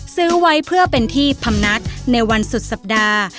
ซื้อไว้เพื่อเป็นที่พำนักในวันสุดสัปดาห์